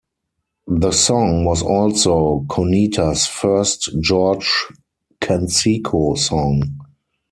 The song was also Cuneta's first George Canseco song.